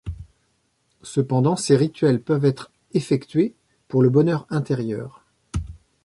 Cependant ces rituels peuvent être effectués pour le bonheur intérieur.